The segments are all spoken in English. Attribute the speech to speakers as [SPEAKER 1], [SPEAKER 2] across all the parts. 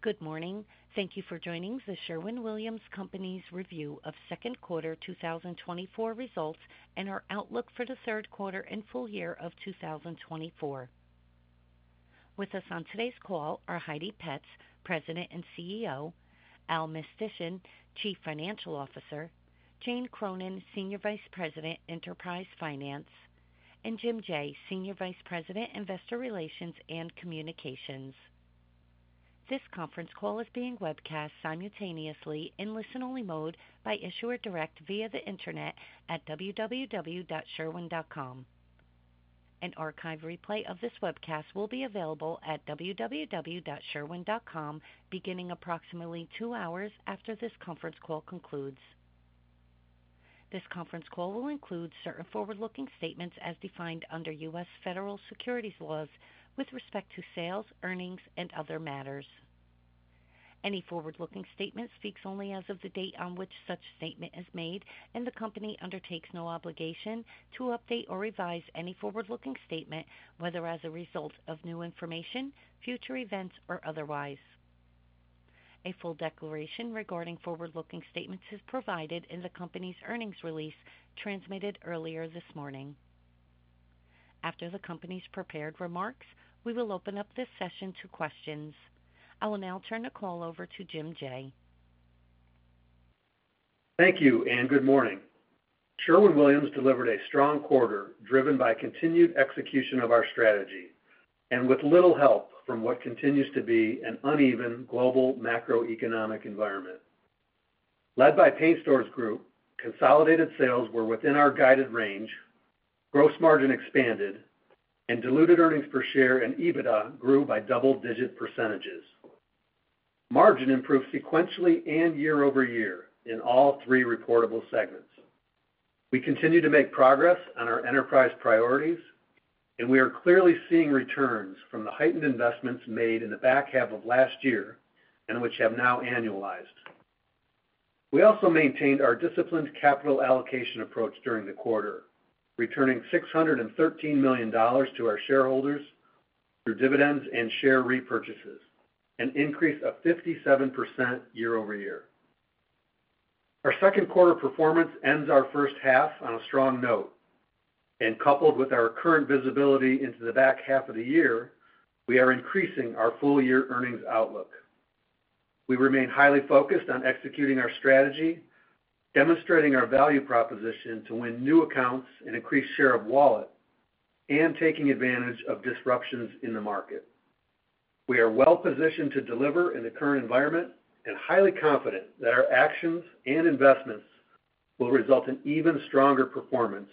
[SPEAKER 1] Good morning. Thank you for joining The Sherwin-Williams Company's review of second quarter 2024 results and our outlook for the third quarter and full year of 2024. With us on today's call are Heidi Petz, President and CEO; Allen Mistysyn, Chief Financial Officer; Jane Cronin, Senior Vice President, Enterprise Finance; and Jim Jaye, Senior Vice President, Investor Relations and Communications. This conference call is being webcast simultaneously in listen-only mode by IssuerDirect via the Internet at www.sherwin.com. An archive replay of this webcast will be available at www.sherwin.com beginning approximately 2 hours after this conference call concludes. This conference call will include certain forward-looking statements as defined under U.S. federal securities laws with respect to sales, earnings, and other matters. Any forward-looking statement speaks only as of the date on which such statement is made, and the company undertakes no obligation to update or revise any forward-looking statement, whether as a result of new information, future events, or otherwise. A full declaration regarding forward-looking statements is provided in the company's earnings release transmitted earlier this morning. After the company's prepared remarks, we will open up this session to questions. I will now turn the call over to Jim Jaye.
[SPEAKER 2] Thank you and good morning. Sherwin-Williams delivered a strong quarter driven by continued execution of our strategy and with little help from what continues to be an uneven global macroeconomic environment. Led by Paint Stores Group, consolidated sales were within our guided range, gross margin expanded, and diluted earnings per share and EBITDA grew by double-digit percentages. Margin improved sequentially and year-over-year in all three reportable segments. We continue to make progress on our enterprise priorities, and we are clearly seeing returns from the heightened investments made in the back half of last year and which have now annualized. We also maintained our disciplined capital allocation approach during the quarter, returning $613 million to our shareholders through dividends and share repurchases, an increase of 57% year-over-year. Our second quarter performance ends our first half on a strong note, and coupled with our current visibility into the back half of the year, we are increasing our full-year earnings outlook. We remain highly focused on executing our strategy, demonstrating our value proposition to win new accounts and increase share of wallet, and taking advantage of disruptions in the market. We are well-positioned to deliver in the current environment and highly confident that our actions and investments will result in even stronger performance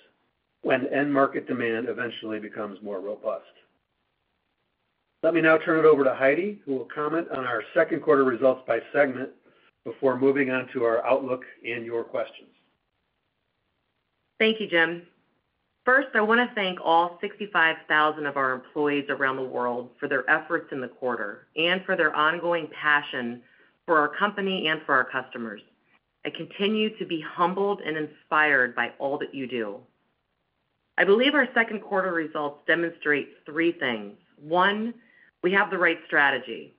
[SPEAKER 2] when end-market demand eventually becomes more robust. Let me now turn it over to Heidi, who will comment on our second quarter results by segment before moving on to our outlook and your questions.
[SPEAKER 3] Thank you, Jim. First, I want to thank all 65,000 of our employees around the world for their efforts in the quarter and for their ongoing passion for our company and for our customers. I continue to be humbled and inspired by all that you do. I believe our second quarter results demonstrate three things: one, we have the right strategy;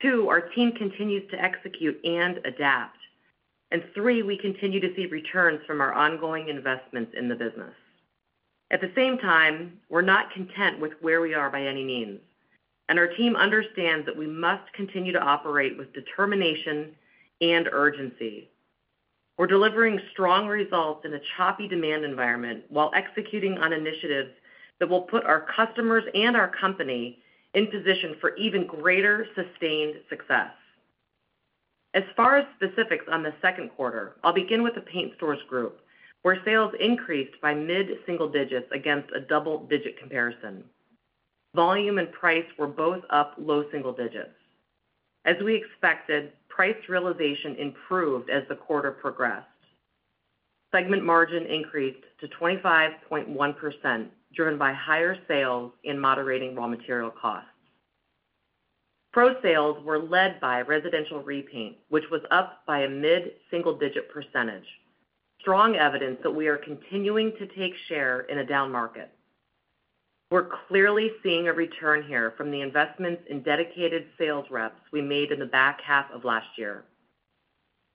[SPEAKER 3] two, our team continues to execute and adapt; and three, we continue to see returns from our ongoing investments in the business. At the same time, we're not content with where we are by any means, and our team understands that we must continue to operate with determination and urgency. We're delivering strong results in a choppy demand environment while executing on initiatives that will put our customers and our company in position for even greater sustained success. As far as specifics on the second quarter, I'll begin with the Paint Stores Group, where sales increased by mid-single digits against a double-digit comparison. Volume and price were both up low single digits. As we expected, price realization improved as the quarter progressed. Segment margin increased to 25.1%, driven by higher sales and moderating raw material costs. Pro sales were led by Residential Repaint, which was up by a mid-single digit percentage, strong evidence that we are continuing to take share in a down market. We're clearly seeing a return here from the investments in dedicated sales reps we made in the back half of last year.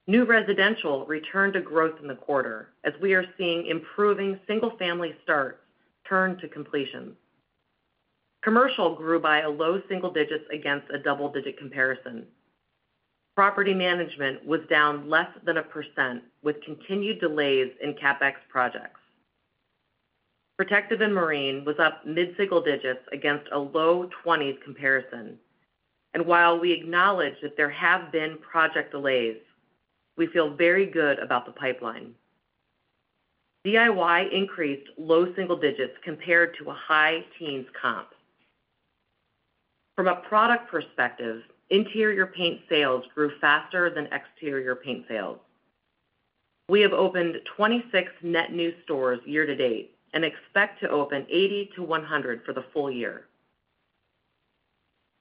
[SPEAKER 3] New Residential returned to growth in the quarter, as we are seeing improving single-family starts turn to completions. Commercial grew by a low single digit against a double-digit comparison. Property anagement was down less than 1%, with continued delays in CapEx projects. Protective and Marine was up mid-single digits against a low 20s comparison. While we acknowledge that there have been project delays, we feel very good about the pipeline. DIY increased low single digits compared to a high teens comp. From a product perspective, interior paint sales grew faster than exterior paint sales. We have opened 26 net new stores year to date and expect to open 80-100 for the full year.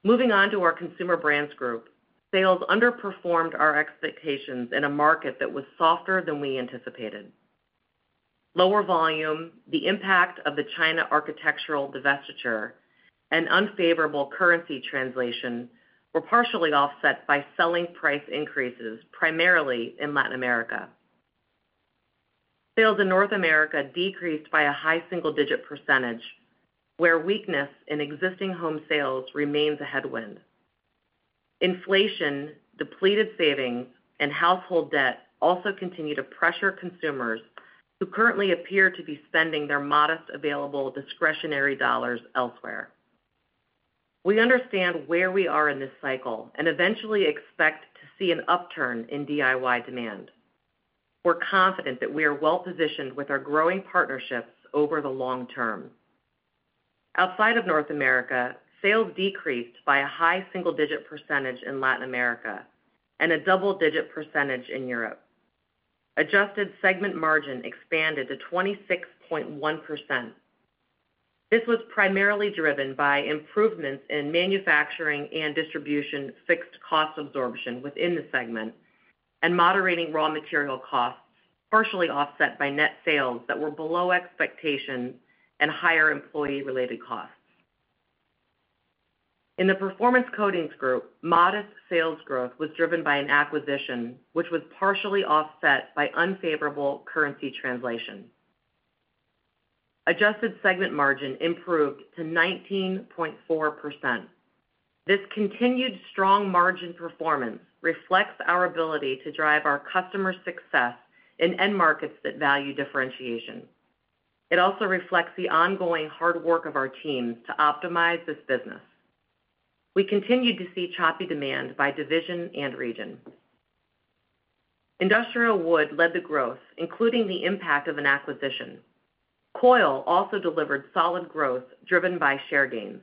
[SPEAKER 3] Moving on to our Consumer Brands Group, sales underperformed our expectations in a market that was softer than we anticipated. Lower volume, the impact of the China architectural divestiture, and unfavorable currency translation were partially offset by selling price increases primarily in Latin America. Sales in North America decreased by a high single-digit percentage, where weakness in existing home sales remains a headwind. Inflation, depleted savings, and household debt also continue to pressure consumers who currently appear to be spending their modest available discretionary dollars elsewhere. We understand where we are in this cycle and eventually expect to see an upturn in DIY demand. We're confident that we are well-positioned with our growing partnerships over the long term. Outside of North America, sales decreased by a high single-digit percentage in Latin America and a double-digit percentage in Europe. Adjusted segment margin expanded to 26.1%. This was primarily driven by improvements in manufacturing and distribution fixed cost absorption within the segment and moderating raw material costs, partially offset by net sales that were below expectations and higher employee-related costs. In the Performance Coatings Group, modest sales growth was driven by an acquisition, which was partially offset by unfavorable currency translation. Adjusted segment margin improved to 19.4%. This continued strong margin performance reflects our ability to drive our customer success in end markets that value differentiation. It also reflects the ongoing hard work of our teams to optimize this business. We continue to see choppy demand by division and region. Industrial Wood led the growth, including the impact of an acquisition. Coil also delivered solid growth driven by share gains.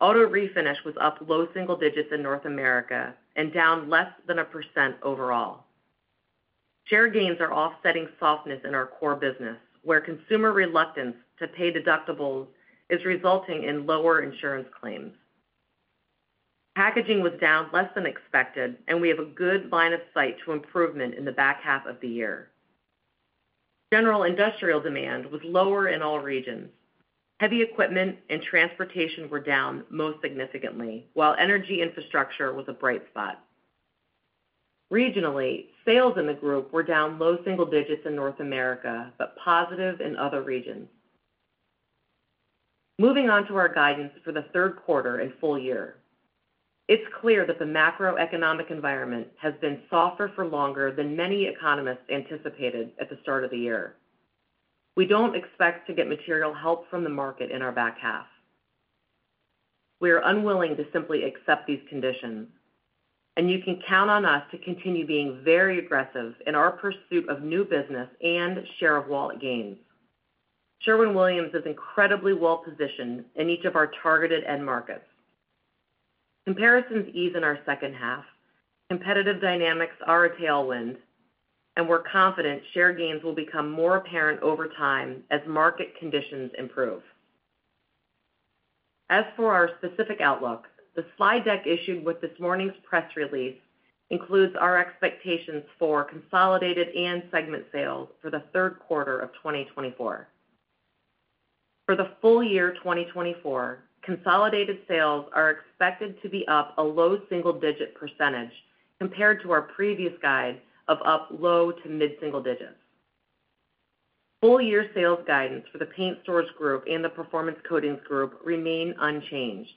[SPEAKER 3] Auto Refinish was up low single digits in North America and down less than 1% overall. Share gains are offsetting softness in our core business, where consumer reluctance to pay deductibles is resulting in lower insurance claims. Packaging was down less than expected, and we have a good line of sight to improvement in the back half of the year. General Industrial demand was lower in all regions. Heavy equipment and transportation were down most significantly, while energy infrastructure was a bright spot. Regionally, sales in the group were down low single digits in North America but positive in other regions. Moving on to our guidance for the third quarter and full year, it's clear that the macroeconomic environment has been softer for longer than many economists anticipated at the start of the year. We don't expect to get material help from the market in our back half. We are unwilling to simply accept these conditions, and you can count on us to continue being very aggressive in our pursuit of new business and share of wallet gains. Sherwin-Williams is incredibly well-positioned in each of our targeted end markets. Comparisons ease in our second half. Competitive dynamics are a tailwind, and we're confident share gains will become more apparent over time as market conditions improve. As for our specific outlook, the slide deck issued with this morning's press release includes our expectations for consolidated and segment sales for the third quarter of 2024. For the full-year 2024, consolidated sales are expected to be up a low single-digit percentage compared to our previous guide of up low- to mid-single digits. Full-year sales guidance for the Paint Stores Group and the Performance Coatings Group remain unchanged.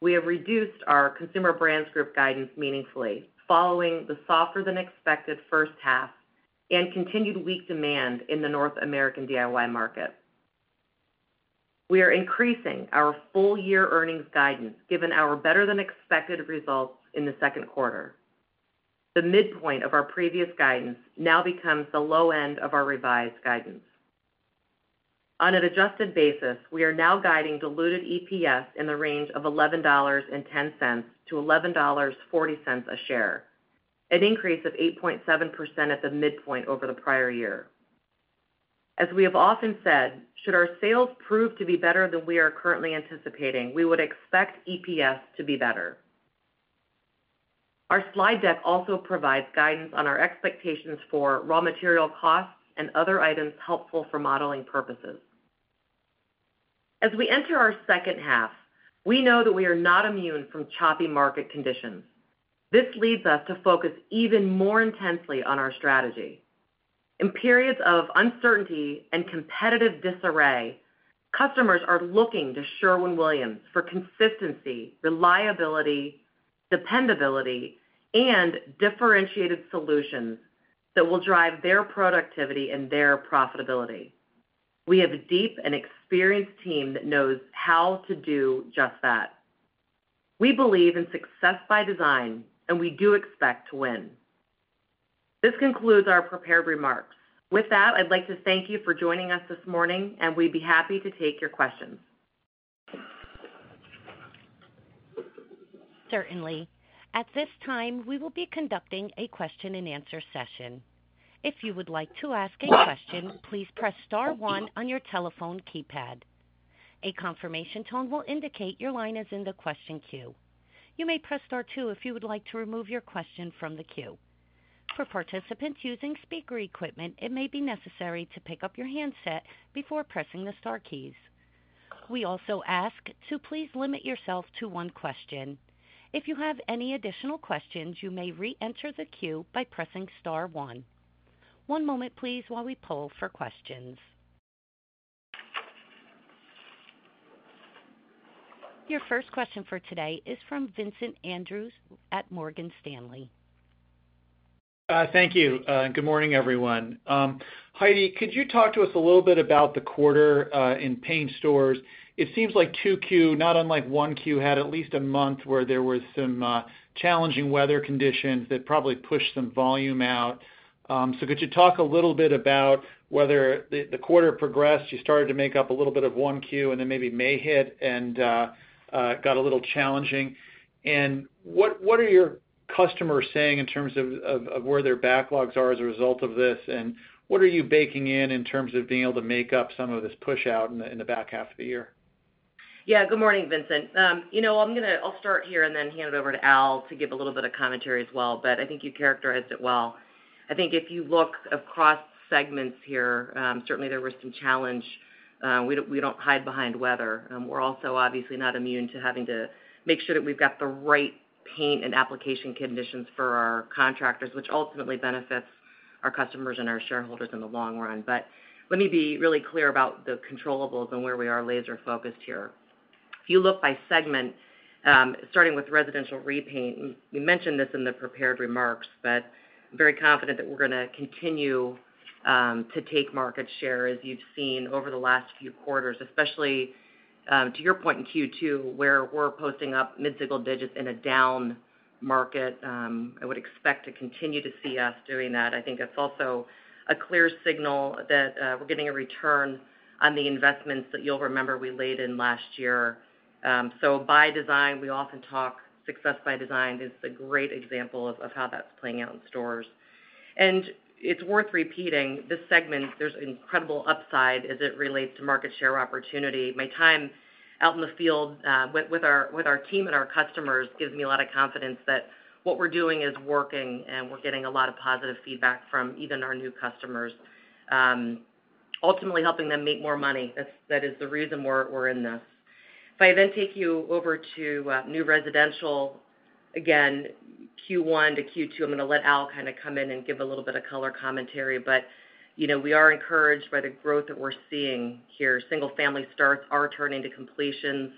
[SPEAKER 3] We have reduced our Consumer Brands Group guidance meaningfully, following the softer-than-expected first half and continued weak demand in the North American DIY market. We are increasing our full-year earnings guidance given our better-than-expected results in the second quarter. The midpoint of our previous guidance now becomes the low end of our revised guidance. On an adjusted basis, we are now guiding diluted EPS in the range of $11.10-$11.40 a share, an increase of 8.7% at the midpoint over the prior year. As we have often said, should our sales prove to be better than we are currently anticipating, we would expect EPS to be better. Our slide deck also provides guidance on our expectations for raw material costs and other items helpful for modeling purposes. As we enter our second half, we know that we are not immune from choppy market conditions. This leads us to focus even more intensely on our strategy. In periods of uncertainty and competitive disarray, customers are looking to Sherwin-Williams for consistency, reliability, dependability, and differentiated solutions that will drive their productivity and their profitability. We have a deep and experienced team that knows how to do just that. We believe in success by design, and we do expect to win. This concludes our prepared remarks. With that, I'd like to thank you for joining us this morning, and we'd be happy to take your questions.
[SPEAKER 1] Certainly. At this time, we will be conducting a question-and-answer session. If you would like to ask a question, please press star one on your telephone keypad. A confirmation tone will indicate your line is in the question queue. You may press star two if you would like to remove your question from the queue. For participants using speaker equipment, it may be necessary to pick up your handset before pressing the star keys. We also ask to please limit yourself to one question. If you have any additional questions, you may re-enter the queue by pressing star one. One moment, please, while we pull for questions. Your first question for today is from Vincent Andrews at Morgan Stanley.
[SPEAKER 4] Thank you. Good morning, everyone. Heidi, could you talk to us a little bit about the quarter in Paint Stores? It seems like Q2, not unlike Q1, had at least a month where there were some challenging weather conditions that probably pushed some volume out. So could you talk a little bit about whether the quarter progressed? You started to make up a little bit of Q1 and then maybe May hit and got a little challenging. And what are your customers saying in terms of where their backlogs are as a result of this? And what are you baking in in terms of being able to make up some of this push-out in the back half of the year?
[SPEAKER 3] Yeah. Good morning, Vincent. I'll start here and then hand it over to Al to give a little bit of commentary as well, but I think you characterized it well. I think if you look across segments here, certainly there was some challenge. We don't hide behind weather. We're also obviously not immune to having to make sure that we've got the right paint and application conditions for our contractors, which ultimately benefits our customers and our shareholders in the long run. But let me be really clear about the controllable and where we are laser-focused here. If you look by segment, starting with residential repaint, we mentioned this in the prepared remarks, but I'm very confident that we're going to continue to take market share as you've seen over the last few quarters, especially to your point in Q2, where we're posting up mid-single digits in a down market. I would expect to continue to see us doing that. I think that's also a clear signal that we're getting a return on the investments that you'll remember we laid in last year. By design, we often talk success by design. This is a great example of how that's playing out in stores. It's worth repeating, this segment, there's incredible upside as it relates to market share opportunity. My time out in the field with our team and our customers gives me a lot of confidence that what we're doing is working and we're getting a lot of positive feedback from even our new customers, ultimately helping them make more money. That is the reason we're in this. If I then take you over to New Residential, again, Q1 to Q2, I'm going to let Al kind of come in and give a little bit of color commentary. But we are encouraged by the growth that we're seeing here. Single-family starts are turning to completions.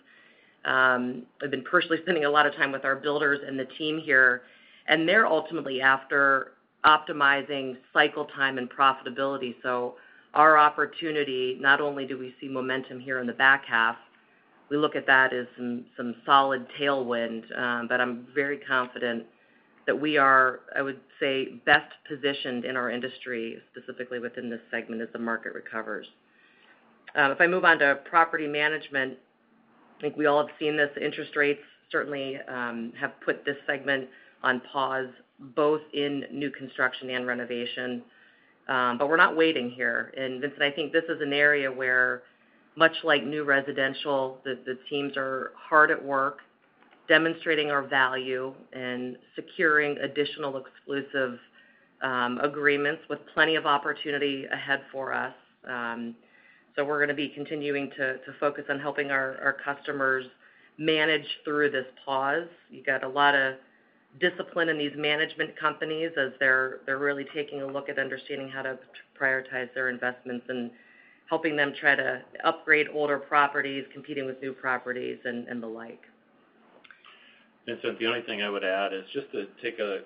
[SPEAKER 3] I've been personally spending a lot of time with our builders and the team here, and they're ultimately after optimizing cycle time and profitability. So our opportunity, not only do we see momentum here in the back half, we look at that as some solid tailwind, but I'm very confident that we are, I would say, best positioned in our industry, specifically within this segment as the market recovers. If I move on to property management, I think we all have seen this. Interest rates certainly have put this segment on pause, both in new construction and renovation. But we're not waiting here. Vincent, I think this is an area where, much like New Residential, the teams are hard at work demonstrating our value and securing additional exclusive agreements with plenty of opportunity ahead for us. We're going to be continuing to focus on helping our customers manage through this pause. You've got a lot of discipline in these management companies as they're really taking a look at understanding how to prioritize their investments and helping them try to upgrade older properties, competing with new properties, and the like.
[SPEAKER 5] Vincent, the only thing I would add is just to take a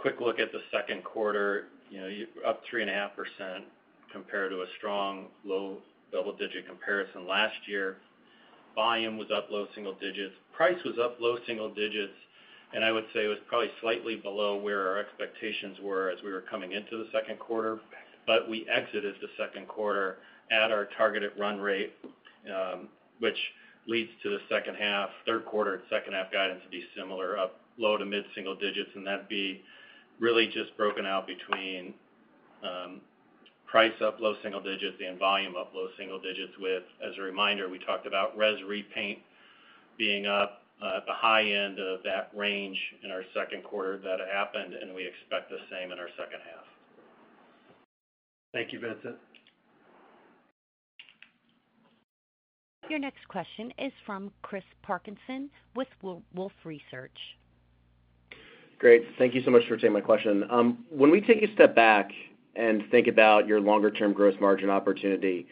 [SPEAKER 5] quick look at the second quarter, up 3.5% compared to a strong low double-digit comparison last year. Volume was up low single digits. Price was up low single digits. And I would say it was probably slightly below where our expectations were as we were coming into the second quarter. But we exited the second quarter at our targeted run rate, which leads to the second half, third quarter and second half guidance to be similar, up low to mid-single digits. And that'd be really just broken out between price up low single digits and volume up low single digits with, as a reminder, we talked about res repaint being up at the high end of that range in our second quarter that happened, and we expect the same in our second half.
[SPEAKER 2] Thank you, Vincent.
[SPEAKER 1] Your next question is from Chris Parkinson with Wolfe Research.
[SPEAKER 4] Great. Thank you so much for taking my question. When we take a step back and think about your longer-term gross margin opportunity,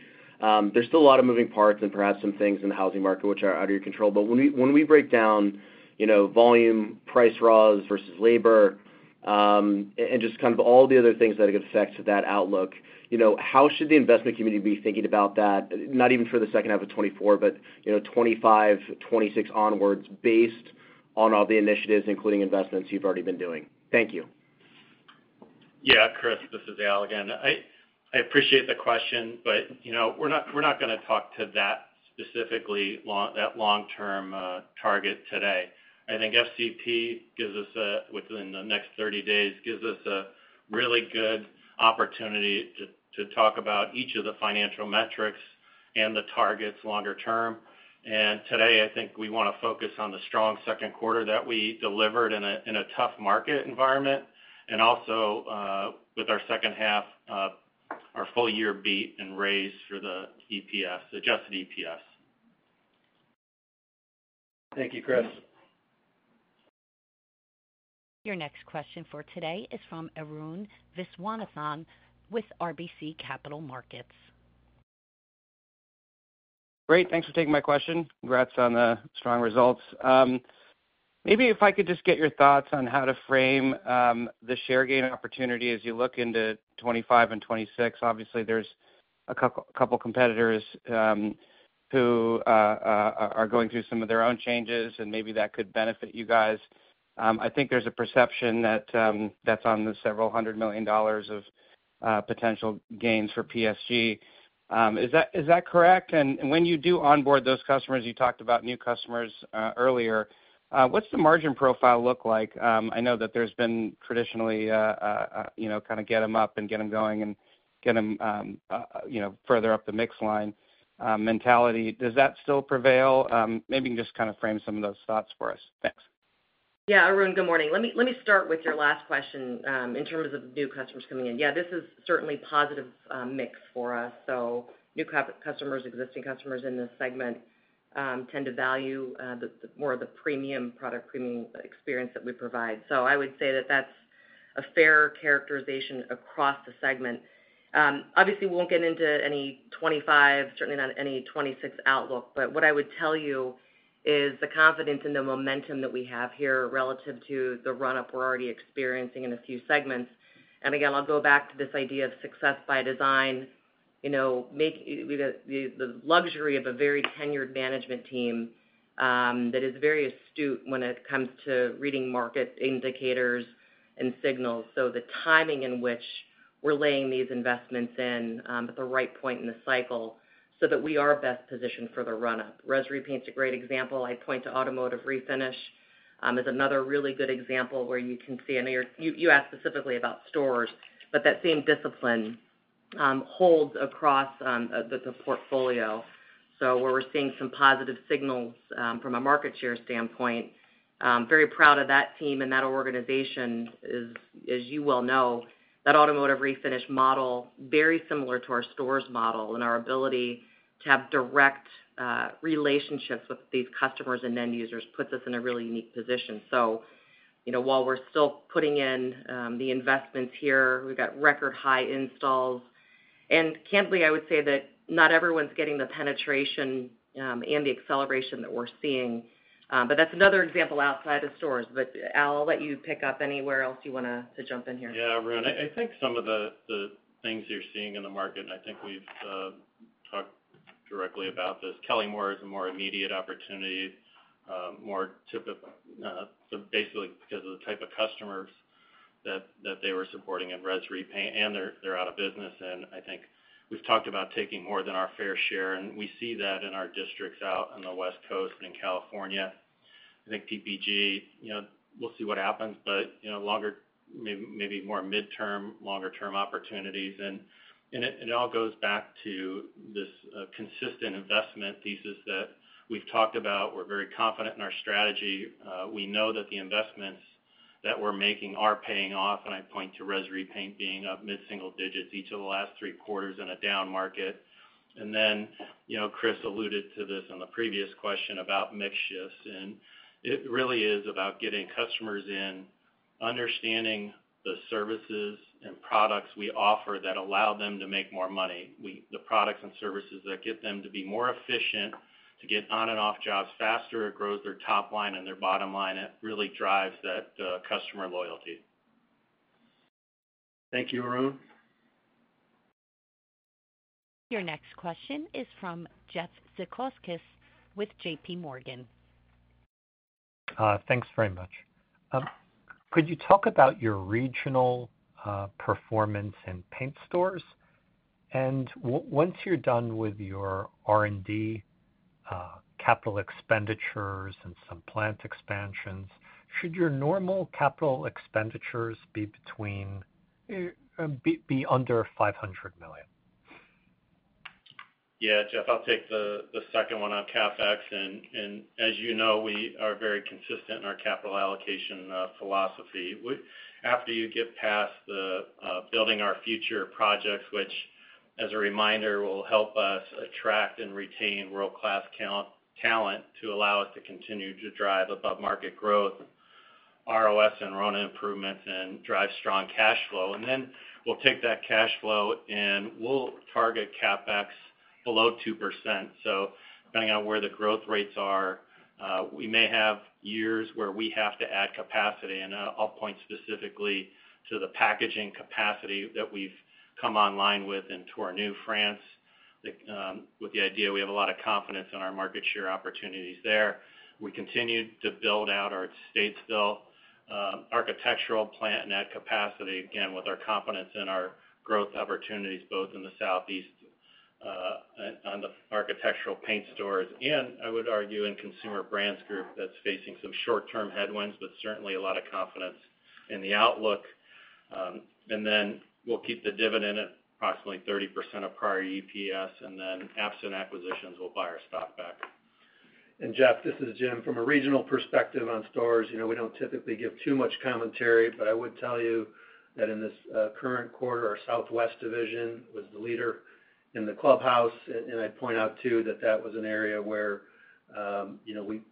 [SPEAKER 4] there's still a lot of moving parts and perhaps some things in the housing market which are out of your control. But when we break down volume, price rise versus labor, and just kind of all the other things that it affects that outlook, how should the investment community be thinking about that, not even for the second half of 2024, but 2025, 2026 onwards based on all the initiatives, including investments you've already been doing? Thank you.
[SPEAKER 5] Yeah, Chris, this is Al again. I appreciate the question, but we're not going to talk to that specifically that long-term target today. I think FCP gives us, within the next 30 days, a really good opportunity to talk about each of the financial metrics and the targets longer term. Today, I think we want to focus on the strong second quarter that we delivered in a tough market environment and also our second half, our full-year beat and raise for the EPS, adjusted EPS.
[SPEAKER 2] Thank you, Chris.
[SPEAKER 1] Your next question for today is from Arun Viswanathan with RBC Capital Markets.
[SPEAKER 4] Great. Thanks for taking my question. Congrats on the strong results. Maybe if I could just get your thoughts on how to frame the share gain opportunity as you look into 2025 and 2026. Obviously, there's a couple of competitors who are going through some of their own changes, and maybe that could benefit you guys. I think there's a perception that that's on the several hundred million dollars of potential gains for PSG. Is that correct? And when you do onboard those customers, you talked about new customers earlier. What's the margin profile look like? I know that there's been traditionally kind of get them up and get them going and get them further up the mix line mentality. Does that still prevail? Maybe you can just kind of frame some of those thoughts for us. Thanks.
[SPEAKER 3] Yeah. Arun, good morning. Let me start with your last question in terms of new customers coming in. Yeah, this is certainly a positive mix for us. So new customers, existing customers in this segment tend to value more of the premium product, premium experience that we provide. So I would say that that's a fair characterization across the segment. Obviously, we won't get into any 2025, certainly not any 2026 outlook. But what I would tell you is the confidence in the momentum that we have here relative to the run-up we're already experiencing in a few segments. And again, I'll go back to this idea of success by design, the luxury of a very tenured management team that is very astute when it comes to reading market indicators and signals. So the timing in which we're laying these investments in at the right point in the cycle so that we are best positioned for the run-up. Residential repaint's a great example. I point to automotive refinish as another really good example where you can see. I know you asked specifically about stores, but that same discipline holds across the portfolio. So where we're seeing some positive signals from a market share standpoint, very proud of that team and that organization is, as you well know, that automotive refinish model, very similar to our stores model. And our ability to have direct relationships with these customers and end users puts us in a really unique position. So while we're still putting in the investments here, we've got record high installs. And candidly, I would say that not everyone's getting the penetration and the acceleration that we're seeing. That's another example outside of stores. Al, I'll let you pick up anywhere else you want to jump in here.
[SPEAKER 5] Yeah, Arun. I think some of the things you're seeing in the market, and I think we've talked directly about this. Kelly-Moore is a more immediate opportunity, more basically because of the type of customers that they were supporting in res repaint, and they're out of business. I think we've talked about taking more than our fair share. We see that in our districts out on the West Coast and in California. I think PPG, we'll see what happens, but maybe more mid-term, longer-term opportunities. It all goes back to this consistent investment thesis that we've talked about. We're very confident in our strategy. We know that the investments that we're making are paying off. I point to res repaint being up mid-single digits each of the last three quarters in a down market. And then Chris alluded to this in the previous question about mix shifts. And it really is about getting customers in, understanding the services and products we offer that allow them to make more money. The products and services that get them to be more efficient, to get on and off jobs faster, it grows their top line and their bottom line. It really drives that customer loyalty.
[SPEAKER 2] Thank you, Arun.
[SPEAKER 1] Your next question is from Jeff Zekauskas with J.P. Morgan.
[SPEAKER 4] Thanks very much. Could you talk about your regional performance in Paint Stores? And once you're done with your R&D capital expenditures and some plant expansions, should your normal capital expenditures be under $500 million?
[SPEAKER 5] Yeah, Jeff, I'll take the second one on CapEx. As you know, we are very consistent in our capital allocation philosophy. After you get past the building our future projects, which, as a reminder, will help us attract and retain world-class talent to allow us to continue to drive above-market growth, ROS and RONA improvements, and drive strong cash flow. Then we'll take that cash flow and we'll target CapEx below 2%. Depending on where the growth rates are, we may have years where we have to add capacity. I'll point specifically to the packaging capacity that we've come online with into our Tournus, France with the idea we have a lot of confidence in our market share opportunities there. We continue to build out our Statesville architectural plant and add capacity, again, with our confidence in our growth opportunities, both in the Southeast on the architectural paint stores and, I would argue, in Consumer Brands Group that's facing some short-term headwinds, but certainly a lot of confidence in the outlook. And then we'll keep the dividend at approximately 30% of prior EPS. And then absent acquisitions, we'll buy our stock back.
[SPEAKER 2] Jeff, this is Jim. From a regional perspective on stores, we don't typically give too much commentary, but I would tell you that in this current quarter, our Southwest division was the leader in the clubhouse. And I'd point out too that that was an area where we've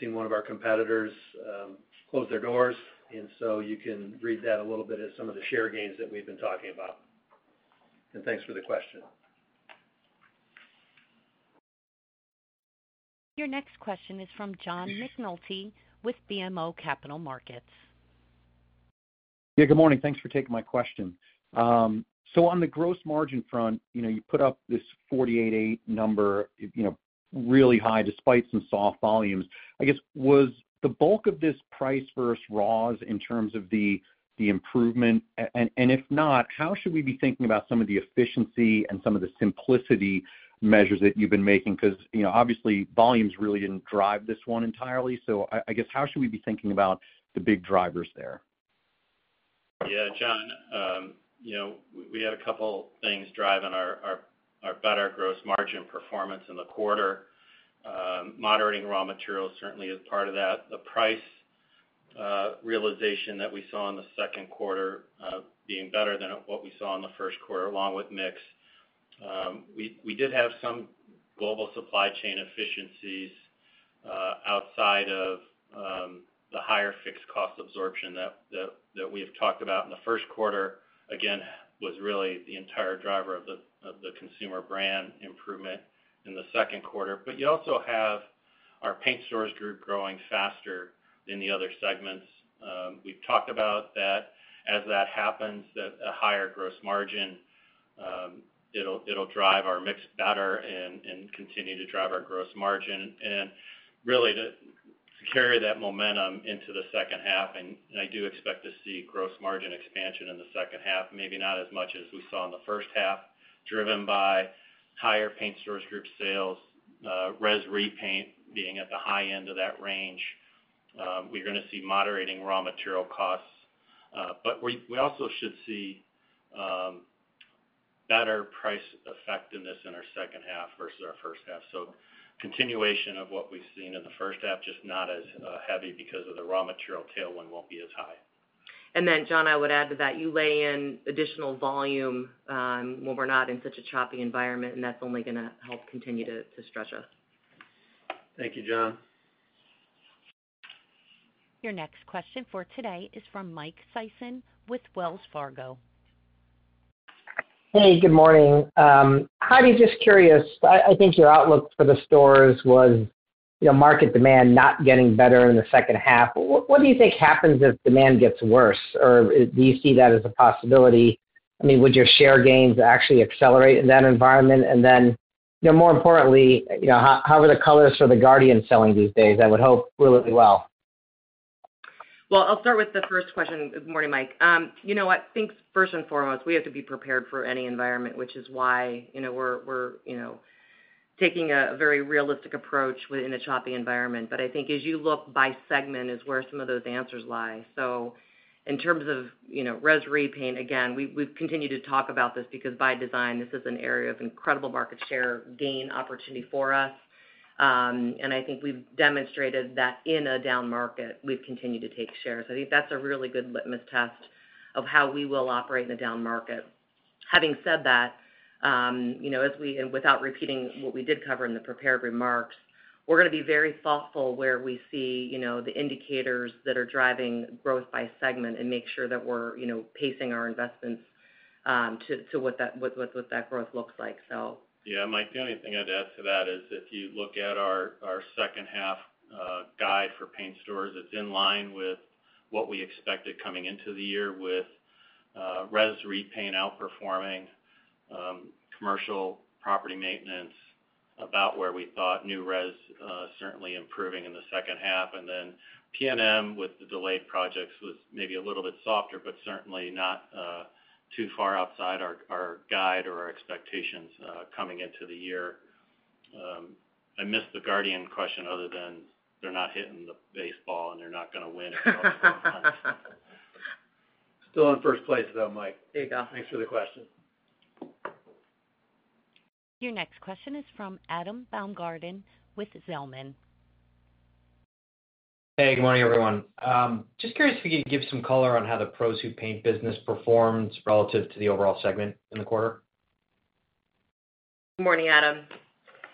[SPEAKER 2] seen one of our competitors close their doors. And so you can read that a little bit as some of the share gains that we've been talking about. And thanks for the question.
[SPEAKER 1] Your next question is from John McNulty with BMO Capital Markets.
[SPEAKER 4] Yeah, good morning. Thanks for taking my question. So on the gross margin front, you put up this 488 number really high despite some soft volumes. I guess, was the bulk of this price versus ROS in terms of the improvement? And if not, how should we be thinking about some of the efficiency and some of the simplicity measures that you've been making? Because obviously, volumes really didn't drive this one entirely. So I guess, how should we be thinking about the big drivers there?
[SPEAKER 5] Yeah, John, we had a couple of things driving our better gross margin performance in the quarter. Moderating raw materials certainly is part of that. The price realization that we saw in the second quarter being better than what we saw in the first quarter, along with mix. We did have some global supply chain efficiencies outside of the higher fixed cost absorption that we have talked about in the first quarter. Again, was really the entire driver of the consumer brand improvement in the second quarter. But you also have our Paint Stores Group growing faster than the other segments. We've talked about that. As that happens, a higher gross margin, it'll drive our mix better and continue to drive our gross margin. Really, to carry that momentum into the second half, and I do expect to see gross margin expansion in the second half, maybe not as much as we saw in the first half, driven by higher Paint Stores Group sales, residential repaint being at the high end of that range. We're going to see moderating raw material costs. But we also should see better price effectiveness in our second half versus our first half. So, continuation of what we've seen in the first half, just not as heavy because the raw material tailwind won't be as high.
[SPEAKER 3] And then, John, I would add to that, you lay in additional volume when we're not in such a choppy environment, and that's only going to help continue to stretch us.
[SPEAKER 2] Thank you, John.
[SPEAKER 1] Your next question for today is from Mike Sison with Wells Fargo.
[SPEAKER 4] Hey, good morning. Heidi, just curious, I think your outlook for the stores was market demand not getting better in the second half. What do you think happens if demand gets worse? Or do you see that as a possibility? I mean, would your share gains actually accelerate in that environment? And then, more importantly, how are the colors for the Guardians selling these days? I would hope really well.
[SPEAKER 3] Well, I'll start with the first question. Good morning, Mike. You know what? I think first and foremost, we have to be prepared for any environment, which is why we're taking a very realistic approach within a choppy environment. But I think as you look by segment is where some of those answers lie. So in terms of residential repaint, again, we've continued to talk about this because by design, this is an area of incredible market share gain opportunity for us. And I think we've demonstrated that in a down market, we've continued to take shares. I think that's a really good litmus test of how we will operate in a down market. Having said that, as we, and without repeating what we did cover in the prepared remarks, we're going to be very thoughtful where we see the indicators that are driving growth by segment and make sure that we're pacing our investments to what that growth looks like, so.
[SPEAKER 5] Yeah, Mike, the only thing I'd add to that is if you look at our second half guide for paint stores, it's in line with what we expected coming into the year with res repaint outperforming, commercial property maintenance about where we thought, new res certainly improving in the second half. And then PNM with the delayed projects was maybe a little bit softer, but certainly not too far outside our guide or our expectations coming into the year. I missed the Guardians question other than they're not hitting the baseball and they're not going to win in a couple of months.
[SPEAKER 2] Still in first place though, Mike.
[SPEAKER 3] There you go.
[SPEAKER 2] Thanks for the question.
[SPEAKER 1] Your next question is from Adam Baumgarten with Zelman.
[SPEAKER 4] Hey, good morning, everyone. Just curious if we could give some color on how the pros who paint business performs relative to the overall segment in the quarter.
[SPEAKER 3] Good morning, Adam.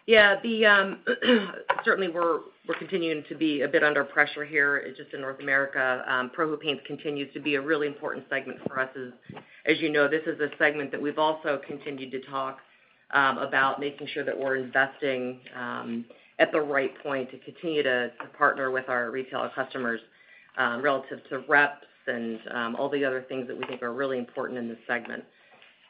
[SPEAKER 3] Yeah, certainly we're continuing to be a bit under pressure here, just in North America. Pro Who Paints continues to be a really important segment for us. As you know, this is a segment that we've also continued to talk about making sure that we're investing at the right point to continue to partner with our retailer customers relative to reps and all the other things that we think are really important in this segment.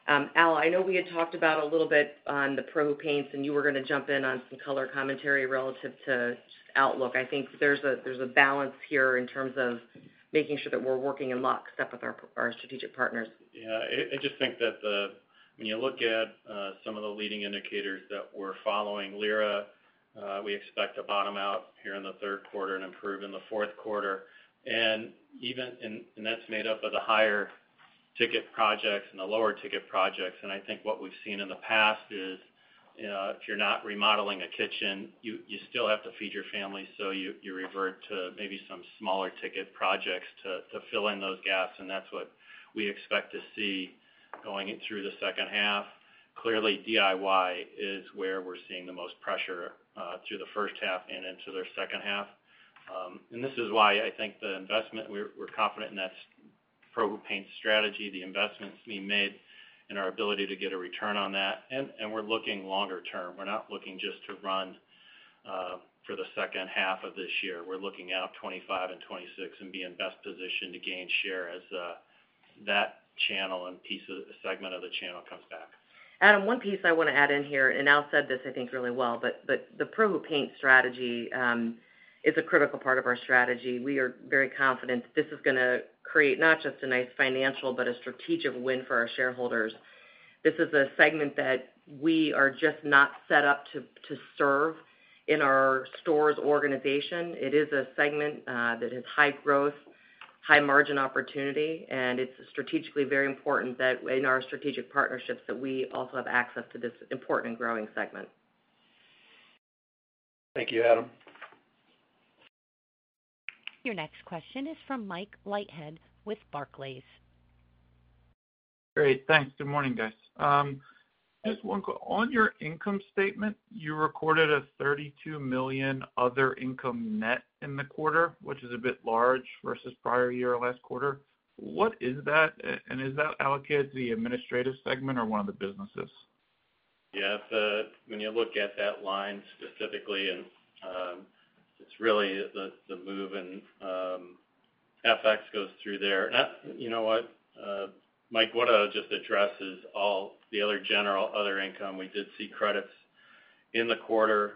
[SPEAKER 3] Al, I know we had talked about a little bit on the Pro Who Paints, and you were going to jump in on some color commentary relative to outlook. I think there's a balance here in terms of making sure that we're working in lock step with our strategic partners.
[SPEAKER 5] Yeah, I just think that when you look at some of the leading indicators that we're following, LIRA, we expect a bottom out here in the third quarter and improve in the fourth quarter. And that's made up of the higher ticket projects and the lower ticket projects. And I think what we've seen in the past is if you're not remodeling a kitchen, you still have to feed your family. So you revert to maybe some smaller ticket projects to fill in those gaps. And that's what we expect to see going through the second half. Clearly, DIY is where we're seeing the most pressure through the first half and into their second half. And this is why I think the investment, we're confident in that Pro Who Paints strategy, the investments we made and our ability to get a return on that. And we're looking longer term. We're not looking just to run for the second half of this year. We're looking out 2025 and 2026 and being best positioned to gain share as that channel and piece of segment of the channel comes back.
[SPEAKER 3] Adam, one piece I want to add in here, and Al said this, I think, really well, but the Pro Who Paints strategy is a critical part of our strategy. We are very confident that this is going to create not just a nice financial, but a strategic win for our shareholders. This is a segment that we are just not set up to serve in our stores organization. It is a segment that has high growth, high margin opportunity. It's strategically very important that in our strategic partnerships that we also have access to this important and growing segment.
[SPEAKER 2] Thank you, Adam.
[SPEAKER 1] Your next question is from Mike Leithead with Barclays.
[SPEAKER 4] Great. Thanks. Good morning, guys. Just one quick on your income statement, you recorded a $32 million other income, net in the quarter, which is a bit large versus prior year or last quarter. What is that? And is that allocated to the administrative segment or one of the businesses?
[SPEAKER 5] Yeah, when you look at that line specifically, and it's really the move and FX goes through there. You know what, Mike, what I'll just address is all the other general other income. We did see credits in the quarter,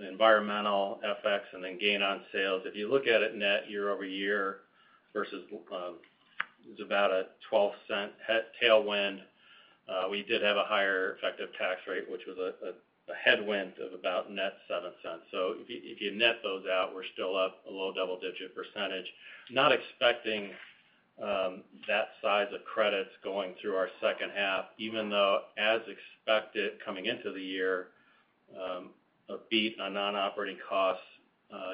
[SPEAKER 5] environmental, FX, and then gain on sales. If you look at it net year-over-year versus it's about a $0.12 tailwind. We did have a higher effective tax rate, which was a headwind of about net $0.07. So if you net those out, we're still up a low double-digit percentage. Not expecting that size of credits going through our second half, even though as expected coming into the year, a beat on non-operating costs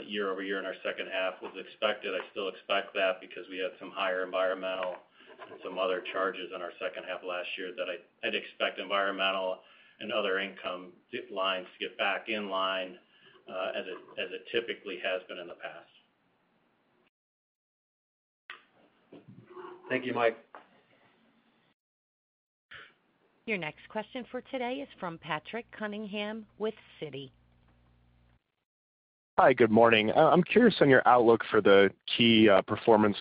[SPEAKER 5] year-over-year in our second half was expected. I still expect that because we had some higher environmental and some other charges in our second half last year, I'd expect environmental and other income lines to get back in line as it typically has been in the past.
[SPEAKER 2] Thank you, Mike.
[SPEAKER 1] Your next question for today is from Patrick Cunningham with Citigroup.
[SPEAKER 4] Hi, good morning. I'm curious on your outlook for the key Performance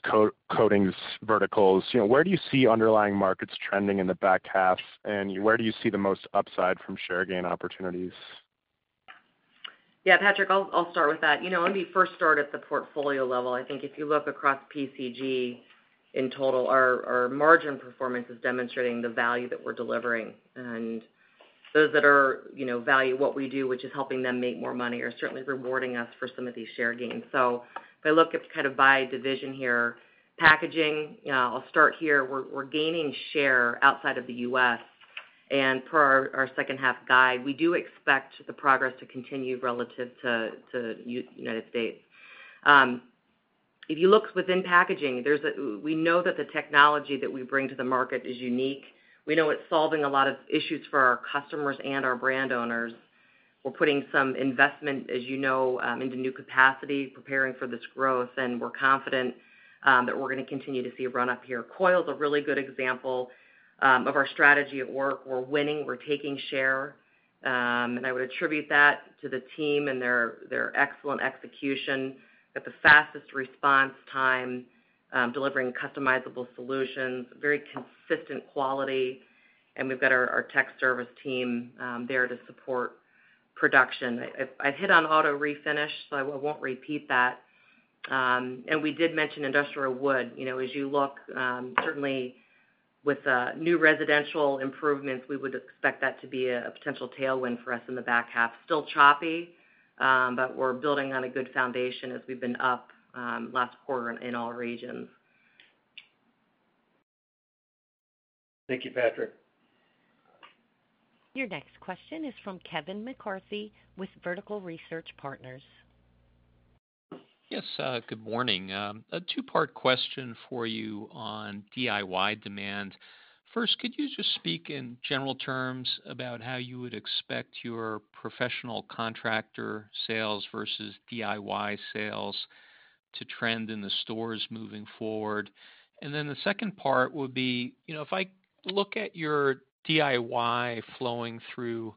[SPEAKER 4] Coatings verticals. Where do you see underlying markets trending in the back half? And where do you see the most upside from share gain opportunities?
[SPEAKER 3] Yeah, Patrick, I'll start with that. I'll first start at the portfolio level. I think if you look across PCG in total, our margin performance is demonstrating the value that we're delivering. And those that value what we do, which is helping them make more money, are certainly rewarding us for some of these share gains. So if I look at kind of by division here, packaging, I'll start here. We're gaining share outside of the U.S. And per our second half guide, we do expect the progress to continue relative to the United States. If you look within packaging, we know that the technology that we bring to the market is unique. We know it's solving a lot of issues for our customers and our brand owners. We're putting some investment, as you know, into new capacity, preparing for this growth. We're confident that we're going to continue to see run-up here. Coil's a really good example of our strategy at work. We're winning. We're taking share. I would attribute that to the team and their excellent execution. We've got the fastest response time, delivering customizable solutions, very consistent quality. We've got our tech service team there to support production. I've hit on auto refinish, so I won't repeat that. We did mention Industrial Wood. As you look, certainly with New Residential improvements, we would expect that to be a potential tailwind for us in the back half. Still choppy, but we're building on a good foundation as we've been up last quarter in all regions.
[SPEAKER 2] Thank you, Patrick.
[SPEAKER 1] Your next question is from Kevin McCarthy with Vertical Research Partners.
[SPEAKER 4] Yes, good morning. A two-part question for you on DIY demand. First, could you just speak in general terms about how you would expect your professional contractor sales versus DIY sales to trend in the stores moving forward? And then the second part would be, if I look at your DIY flowing through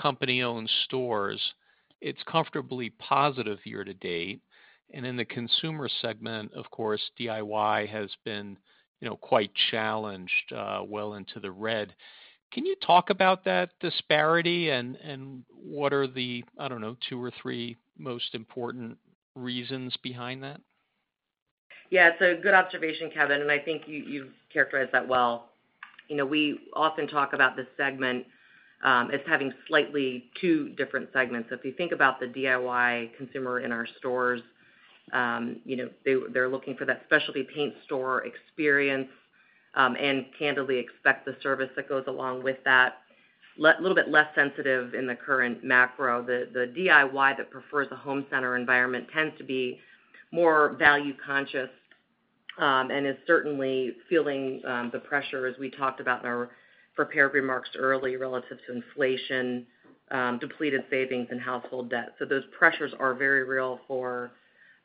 [SPEAKER 4] company-owned stores, it's comfortably positive year to date. And in the consumer segment, of course, DIY has been quite challenged well into the red. Can you talk about that disparity and what are the, I don't know, two or three most important reasons behind that?
[SPEAKER 3] Yeah, it's a good observation, Kevin. And I think you've characterized that well. We often talk about the segment as having slightly two different segments. If you think about the DIY consumer in our stores, they're looking for that specialty paint store experience and candidly expect the service that goes along with that. A little bit less sensitive in the current macro. The DIY that prefers a home center environment tends to be more value-conscious and is certainly feeling the pressure, as we talked about in our prepared remarks early, relative to inflation, depleted savings, and household debt. So those pressures are very real for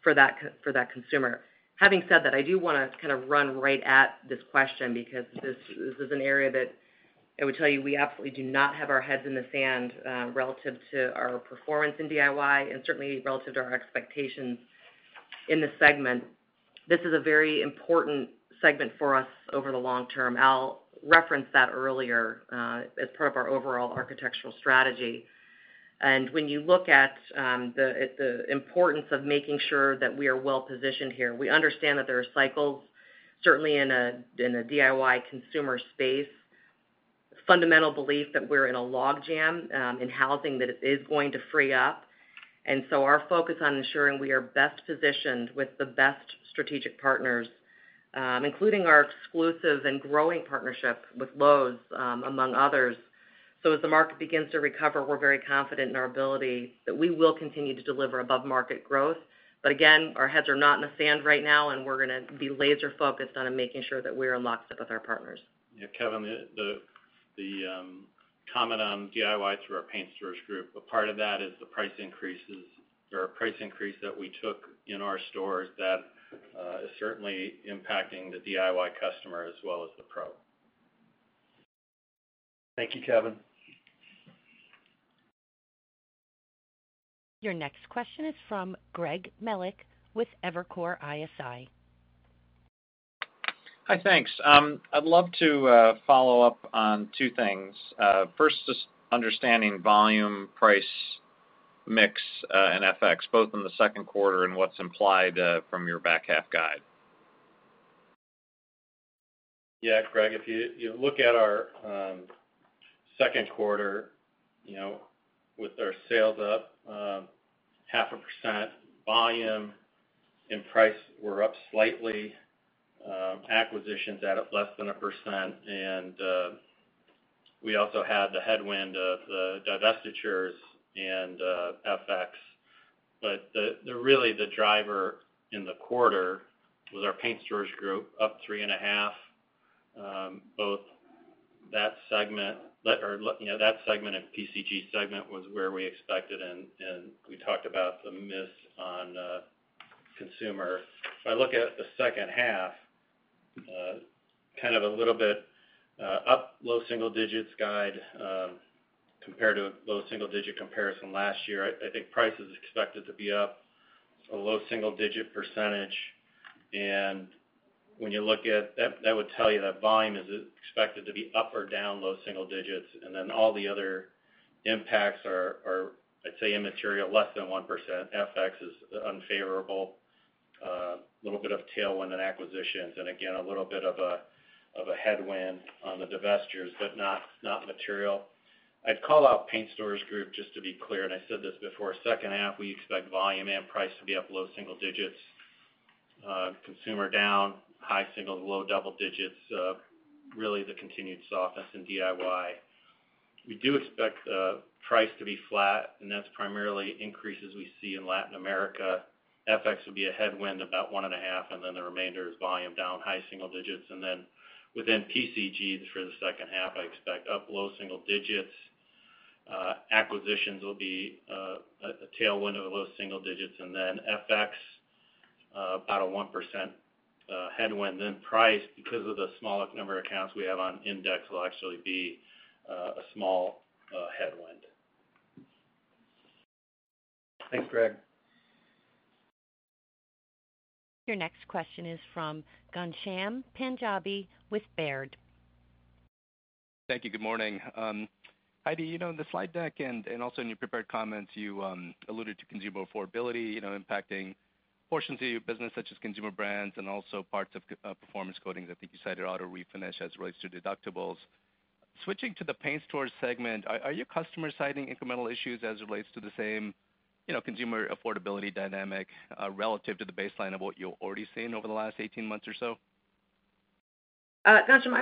[SPEAKER 3] that consumer. Having said that, I do want to kind of run right at this question because this is an area that I would tell you we absolutely do not have our heads in the sand relative to our performance in DIY and certainly relative to our expectations in the segment. This is a very important segment for us over the long term. I'll reference that earlier as part of our overall architectural strategy. And when you look at the importance of making sure that we are well positioned here, we understand that there are cycles, certainly in a DIY consumer space, fundamental belief that we're in a log jam in housing that is going to free up. And so our focus on ensuring we are best positioned with the best strategic partners, including our exclusive and growing partnership with Lowe's, among others. As the market begins to recover, we're very confident in our ability that we will continue to deliver above market growth. Again, our heads are not in the sand right now, and we're going to be laser-focused on making sure that we're in lockstep with our partners.
[SPEAKER 5] Yeah, Kevin, the comment on DIY through our Paint Stores Group, a part of that is the price increases or a price increase that we took in our stores that is certainly impacting the DIY customer as well as the pro.
[SPEAKER 2] Thank you, Kevin.
[SPEAKER 1] Your next question is from Greg Melich with Evercore ISI.
[SPEAKER 4] Hi, thanks. I'd love to follow up on two things. First, just understanding volume, price, mix, and FX both in the second quarter and what's implied from your back half guide.
[SPEAKER 5] Yeah, Greg, if you look at our second quarter, with our sales up 0.5%, volume and price were up slightly, acquisitions at less than 1%. And we also had the headwind of the divestitures and FX. But really, the driver in the quarter was our Paint Stores Group, up 3.5%. Both that segment or that segment and PCG segment was where we expected. And we talked about the miss on consumer. If I look at the second half, kind of a little bit up, low single digits guide compared to a low single digit comparison last year. I think price is expected to be up low single digits%. And when you look at that, that would tell you that volume is expected to be up or down low single digits. Then all the other impacts are, I'd say, immaterial, less than 1%. FX is unfavorable, a little bit of tailwind and acquisitions. Again, a little bit of a headwind on the divestitures, but not material. I'd call out Paint Stores Group just to be clear. I said this before, second half, we expect volume and price to be up low single digits, consumer down, high single, low double digits, really the continued softness in DIY. We do expect the price to be flat, and that's primarily increases we see in Latin America. FX would be a headwind about 1.5%, and then the remainder is volume down, high single digits. Then within PCG for the second half, I expect up low single digits. Acquisitions will be a tailwind of low single digits. Then FX, about a 1% headwind. Price, because of the small number of accounts we have on index, will actually be a small headwind.
[SPEAKER 2] Thanks, Greg.
[SPEAKER 1] Your next question is from Ghansham Panjabi with Baird.
[SPEAKER 4] Thank you. Good morning. Heidi, in the slide deck and also in your prepared comments, you alluded to consumer affordability impacting portions of your business, such as consumer brands and also parts of performance coatings. I think you cited auto refinish as it relates to deductibles. Switching to the paint stores segment, are your customers citing incremental issues as it relates to the same consumer affordability dynamic relative to the baseline of what you've already seen over the last 18 months or so?
[SPEAKER 3] Ghansham,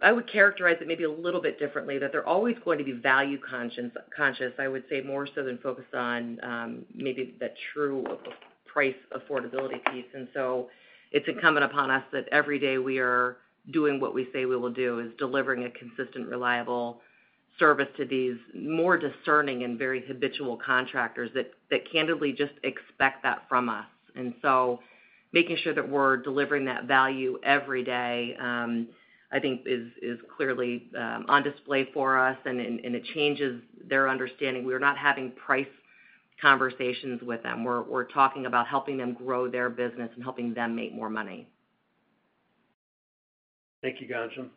[SPEAKER 3] I would characterize it maybe a little bit differently, that they're always going to be value-conscious, I would say, more so than focused on maybe the true price affordability piece. And so it's incumbent upon us that every day we are doing what we say we will do, is delivering a consistent, reliable service to these more discerning and very habitual contractors that candidly just expect that from us. And so making sure that we're delivering that value every day, I think, is clearly on display for us. And it changes their understanding. We're not having price conversations with them. We're talking about helping them grow their business and helping them make more money.
[SPEAKER 2] Thank you, Ghansham.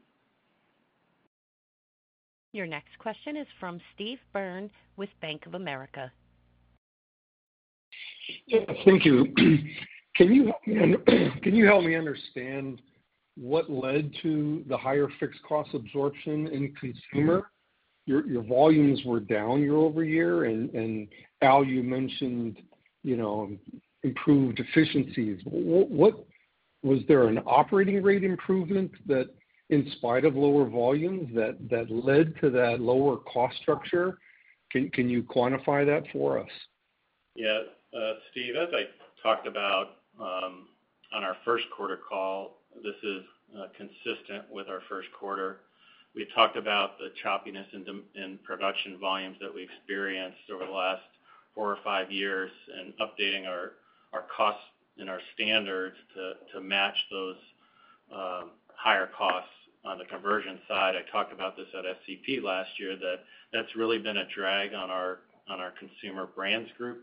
[SPEAKER 1] Your next question is from Steve Byrne with Bank of America.
[SPEAKER 4] Thank you. Can you help me understand what led to the higher fixed cost absorption in consumer? Your volumes were down year-over-year, and Al, you mentioned improved efficiencies. Was there an operating rate improvement that, in spite of lower volumes, led to that lower cost structure? Can you quantify that for us?
[SPEAKER 5] Yeah, Steve, as I talked about on our first quarter call, this is consistent with our first quarter. We talked about the choppiness in production volumes that we experienced over the last four or five years and updating our costs and our standards to match those higher costs on the conversion side. I talked about this at FCP last year, that that's really been a drag on our Consumer Brands Group.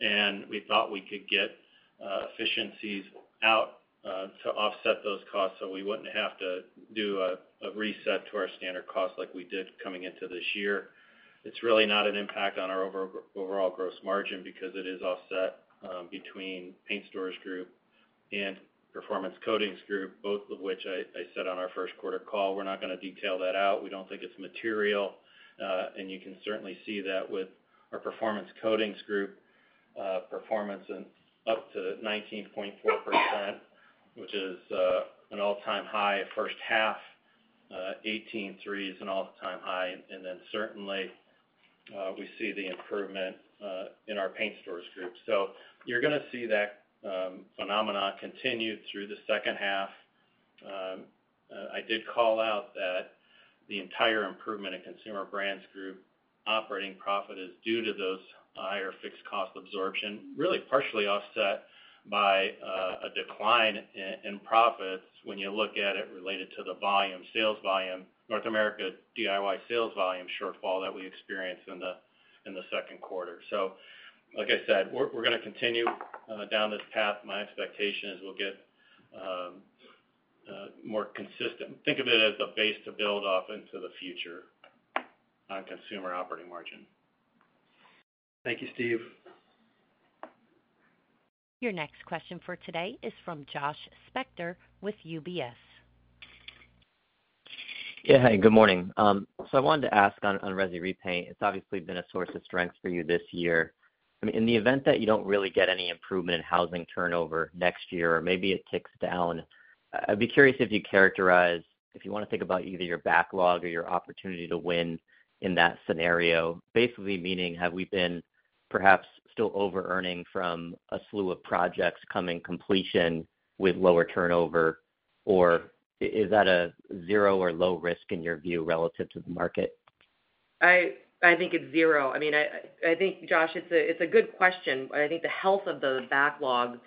[SPEAKER 5] And we thought we could get efficiencies out to offset those costs so we wouldn't have to do a reset to our standard costs like we did coming into this year. It's really not an impact on our overall gross margin because it is offset between Paint Stores Group and Performance Coatings Group, both of which I said on our first quarter call. We're not going to detail that out. We don't think it's material. You can certainly see that with our Performance Coatings Group performance up to 19.4%, which is an all-time high first half. 18.3% is an all-time high. And then certainly, we see the improvement in our Paint Stores Group. So you're going to see that phenomenon continue through the second half. I did call out that the entire improvement in Consumer Brands Group operating profit is due to those higher fixed cost absorption, really partially offset by a decline in profits when you look at it related to the volume, sales volume, North America DIY sales volume shortfall that we experienced in the second quarter. So like I said, we're going to continue down this path. My expectation is we'll get more consistent. Think of it as a base to build off into the future on consumer operating margin.
[SPEAKER 2] Thank you, Steve.
[SPEAKER 1] Your next question for today is from Josh Spector with UBS.
[SPEAKER 4] Yeah, hi, good morning. So I wanted to ask on residential repaint. It's obviously been a source of strength for you this year. In the event that you don't really get any improvement in housing turnover next year or maybe it ticks down, I'd be curious if you characterize, if you want to think about either your backlog or your opportunity to win in that scenario, basically meaning, have we been perhaps still over-earning from a slew of projects coming completion with lower turnover? Or is that a zero or low risk in your view relative to the market?
[SPEAKER 3] I think it's zero. I mean, I think, Josh, it's a good question. I think the health of the backlog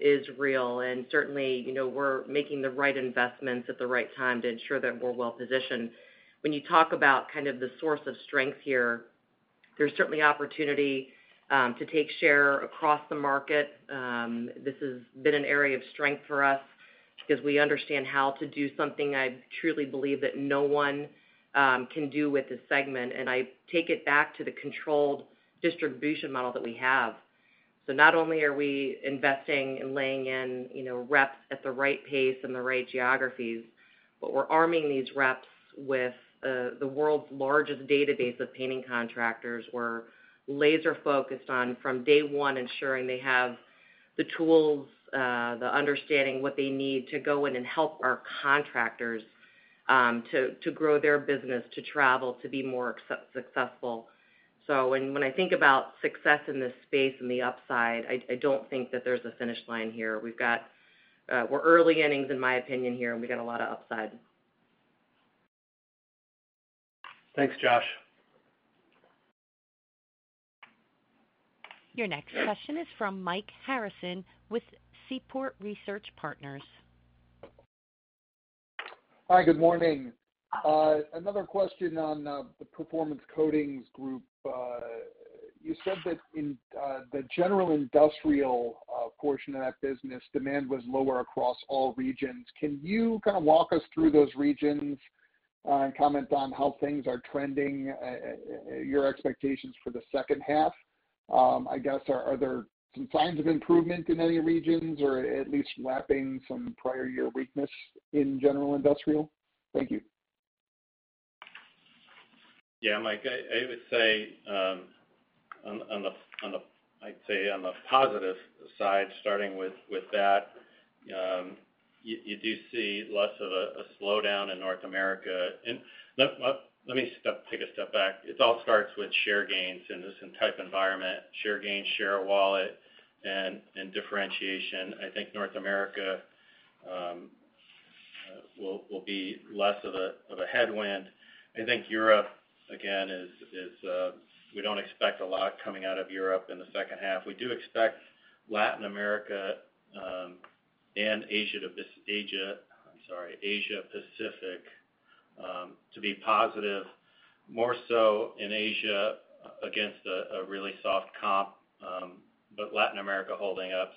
[SPEAKER 3] is real. Certainly, we're making the right investments at the right time to ensure that we're well positioned. When you talk about kind of the source of strength here, there's certainly opportunity to take share across the market. This has been an area of strength for us because we understand how to do something I truly believe that no one can do with this segment. I take it back to the controlled distribution model that we have. So not only are we investing and laying in reps at the right pace and the right geographies, but we're arming these reps with the world's largest database of painting contractors. We're laser-focused on, from day one, ensuring they have the tools, the understanding what they need to go in and help our contractors to grow their business, to travel, to be more successful. So when I think about success in this space and the upside, I don't think that there's a finish line here. We're early innings, in my opinion, here, and we got a lot of upside.
[SPEAKER 2] Thanks, Josh.
[SPEAKER 1] Your next question is from Mike Harrison with Seaport Research Partners.
[SPEAKER 4] Hi, good morning. Another question on the Performance Coatings Group. You said that in the General Industrial portion of that business, demand was lower across all regions. Can you kind of walk us through those regions and comment on how things are trending, your expectations for the second half? I guess, are there some signs of improvement in any regions or at least wrapping some prior year weakness in General Industrial? Thank you.
[SPEAKER 5] Yeah, Mike, I would say, I'd say on the positive side, starting with that, you do see less of a slowdown in North America. Let me take a step back. It all starts with share gains in this type of environment, share gains, share of wallet, and differentiation. I think North America will be less of a headwind. I think Europe, again, we don't expect a lot coming out of Europe in the second half. We do expect Latin America and Asia-Pacific to be positive, more so in Asia against a really soft comp, but Latin America holding up.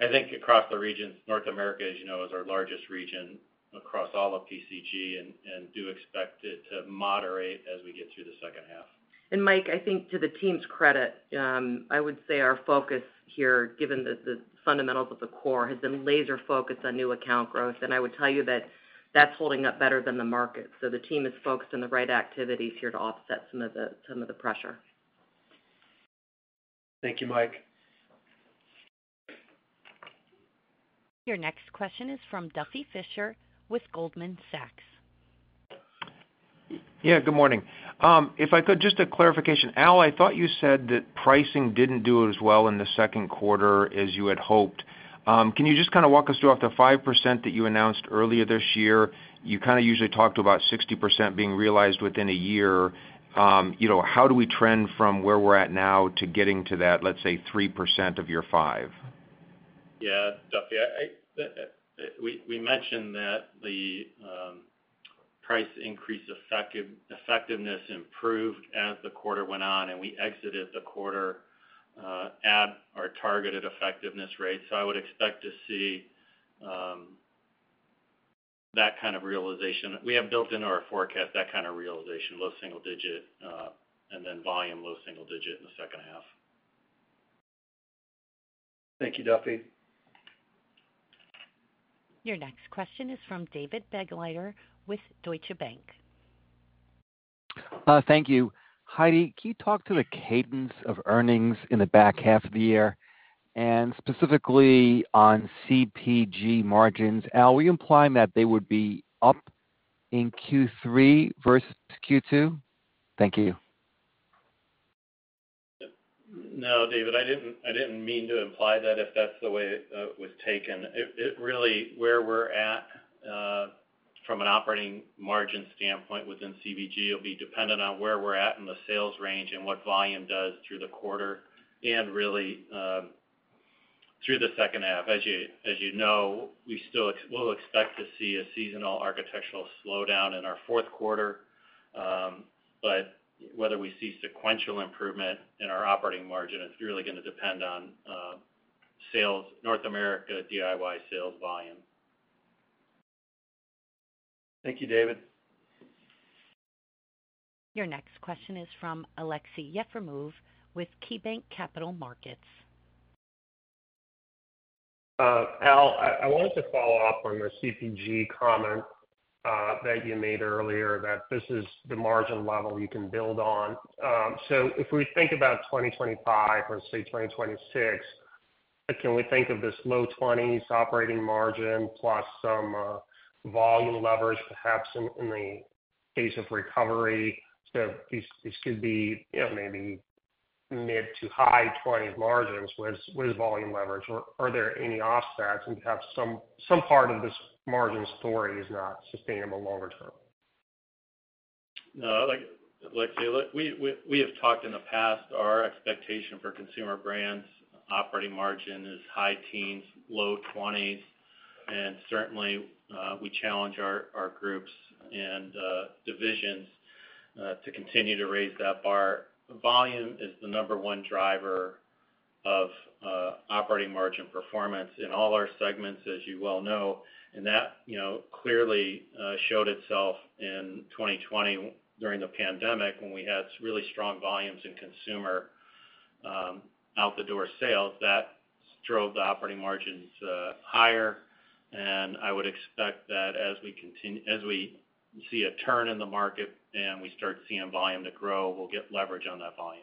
[SPEAKER 5] I think across the regions, North America, as you know, is our largest region across all of PCG and do expect it to moderate as we get through the second half.
[SPEAKER 3] Mike, I think to the team's credit, I would say our focus here, given the fundamentals of the core, has been laser-focused on new account growth. I would tell you that that's holding up better than the market. The team is focused on the right activities here to offset some of the pressure.
[SPEAKER 2] Thank you, Mike.
[SPEAKER 1] Your next question is from Duffy Fischer with Goldman Sachs.
[SPEAKER 4] Yeah, good morning. If I could, just a clarification. Al, I thought you said that pricing didn't do as well in the second quarter as you had hoped. Can you just kind of walk us through after 5% that you announced earlier this year? You kind of usually talked about 60% being realized within a year. How do we trend from where we're at now to getting to that, let's say, 3% of year five?
[SPEAKER 5] Yeah, Duffy, we mentioned that the price increase effectiveness improved as the quarter went on, and we exited the quarter at our targeted effectiveness rate. So I would expect to see that kind of realization. We have built in our forecast that kind of realization, low single digit, and then volume, low single digit in the second half.
[SPEAKER 2] Thank you, Duffy.
[SPEAKER 1] Your next question is from David Begleiter with Deutsche Bank.
[SPEAKER 4] Thank you. Heidi, can you talk to the cadence of earnings in the back half of the year and specifically on CBG margins? Al, were you implying that they would be up in Q3 versus Q2? Thank you.
[SPEAKER 5] No, David, I didn't mean to imply that if that's the way it was taken. Really, where we're at from an operating margin standpoint within CBG will be dependent on where we're at in the sales range and what volume does through the quarter and really through the second half. As you know, we still will expect to see a seasonal architectural slowdown in our fourth quarter. But whether we see sequential improvement in our operating margin is really going to depend on North America DIY sales volume.
[SPEAKER 2] Thank you, David.
[SPEAKER 1] Your next question is from Aleksey Yefremov with KeyBanc Capital Markets.
[SPEAKER 4] Al, I wanted to follow up on the CBG comment that you made earlier, that this is the margin level you can build on. So if we think about 2025 or say 2026, can we think of this low-20s operating margin plus some volume leverage, perhaps in the case of recovery? So this could be maybe mid- to high-20s margins with volume leverage. Are there any offsets? And perhaps some part of this margin story is not sustainable longer term?
[SPEAKER 5] No, Alexei, we have talked in the past. Our expectation for Consumer Brands' operating margin is high teens-low 20s. Certainly, we challenge our groups and divisions to continue to raise that bar. Volume is the number one driver of operating margin performance in all our segments, as you well know. And that clearly showed itself in 2020 during the pandemic when we had really strong volumes in consumer out-the-door sales. That drove the operating margins higher. And I would expect that as we see a turn in the market and we start seeing volume to grow, we'll get leverage on that volume.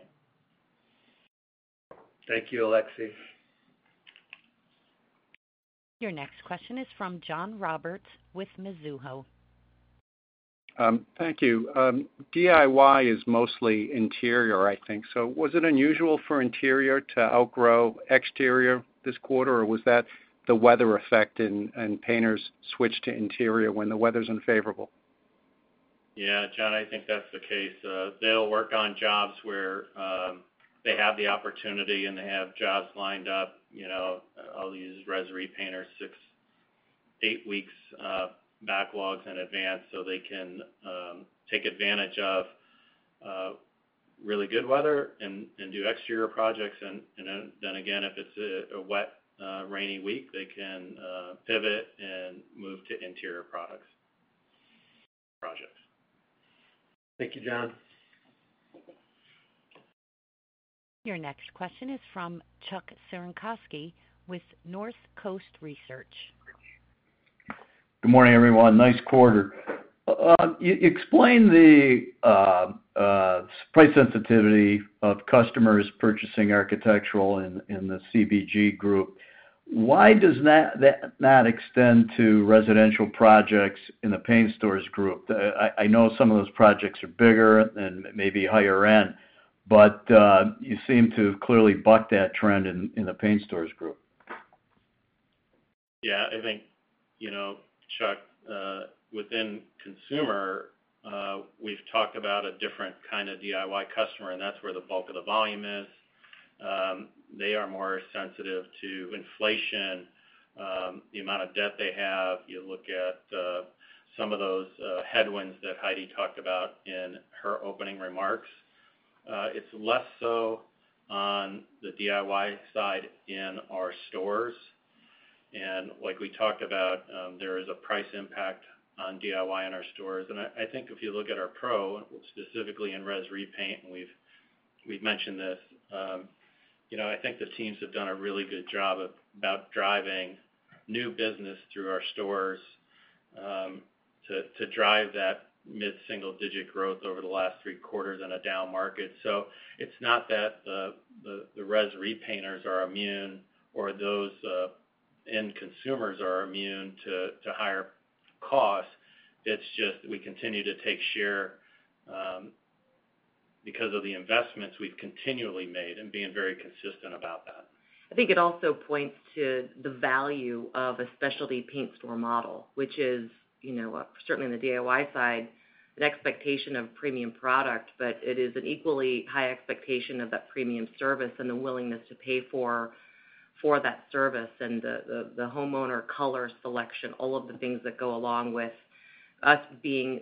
[SPEAKER 2] Thank you, Alexei.
[SPEAKER 1] Your next question is from John Roberts with Mizuho.
[SPEAKER 6] Thank you. DIY is mostly interior, I think. So was it unusual for interior to outgrow exterior this quarter? Or was that the weather effect and painters switched to interior when the weather's unfavorable?
[SPEAKER 5] Yeah, John, I think that's the case. They'll work on jobs where they have the opportunity and they have jobs lined up. I'll use residential repainters, 6- or 8-week backlogs in advance so they can take advantage of really good weather and do exterior projects. And then again, if it's a wet, rainy week, they can pivot and move to interior products.
[SPEAKER 2] Thank you, John.
[SPEAKER 1] Your next question is from Chuck Cerankosky with Northcoast Research.
[SPEAKER 7] Good morning, everyone. Nice quarter. Explain the price sensitivity of customers purchasing architectural in the CBG group. Why does that not extend to residential projects in the Paint Stores Group? I know some of those projects are bigger and maybe higher end, but you seem to have clearly bucked that trend in the Paint Stores Group.
[SPEAKER 5] Yeah, I think, Chuck, within consumer, we've talked about a different kind of DIY customer, and that's where the bulk of the volume is. They are more sensitive to inflation. The amount of debt they have, you look at some of those headwinds that Heidi talked about in her opening remarks. It's less so on the DIY side in our stores. And like we talked about, there is a price impact on DIY in our stores. And I think if you look at our pro, specifically in residential repaint, and we've mentioned this, I think the teams have done a really good job about driving new business through our stores to drive that mid-single digit growth over the last three quarters in a down market. So it's not that the residential repainters are immune or those end consumers are immune to higher costs. It's just that we continue to take share because of the investments we've continually made and being very consistent about that.
[SPEAKER 3] I think it also points to the value of a specialty paint store model, which is certainly on the DIY side, the expectation of a premium product, but it is an equally high expectation of that premium service and the willingness to pay for that service and the homeowner color selection, all of the things that go along with us being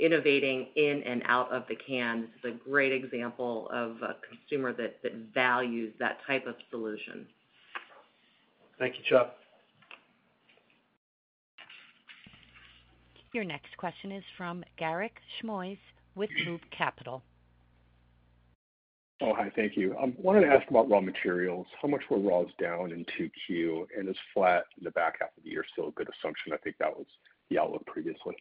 [SPEAKER 3] innovating in and out of the can. This is a great example of a consumer that values that type of solution.
[SPEAKER 2] Thank you, Chuck.
[SPEAKER 1] Your next question is from Garik Shmois with Loop Capital.
[SPEAKER 8] Oh, hi, thank you. I wanted to ask about raw materials. How much were raws down in Q2 and is flat in the back half of the year? Still a good assumption. I think that was the outlook previously.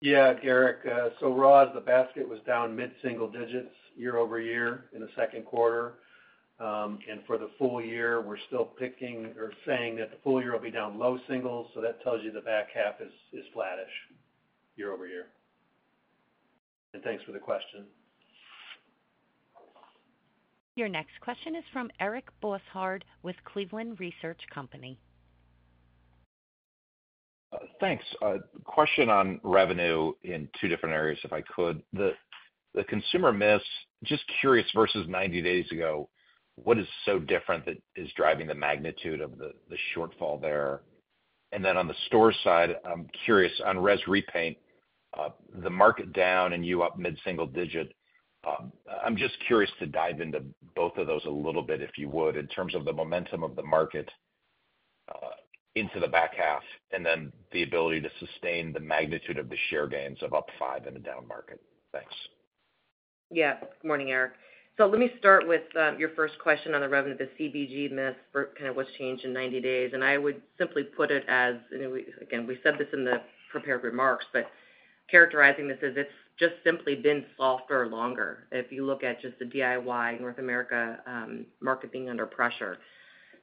[SPEAKER 2] Yeah, Garrick. So raws, the basket was down mid-single digits year-over-year in the second quarter. And for the full year, we're still picking or saying that the full year will be down low singles. So that tells you the back half is flattish year-over-year. And thanks for the question.
[SPEAKER 1] Your next question is from Eric Bosshard with Cleveland Research Company.
[SPEAKER 4] Thanks. Question on revenue in two different areas, if I could. The consumer miss, just curious, versus 90 days ago, what is so different that is driving the magnitude of the shortfall there? And then on the store side, I'm curious, on residential repaint, the market down and you up mid-single digits. I'm just curious to dive into both of those a little bit, if you would, in terms of the momentum of the market into the back half and then the ability to sustain the magnitude of the share gains of up 5 in a down market. Thanks.
[SPEAKER 3] Yeah. Good morning, Eric. So let me start with your first question on the revenue, the CBG miss, kind of what's changed in 90 days. I would simply put it as, again, we said this in the prepared remarks, but characterizing this as it's just simply been softer longer. If you look at just the DIY North America market being under pressure,